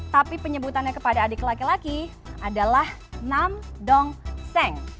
tapi penyebutannya kepada adik laki laki adalah nam dong seng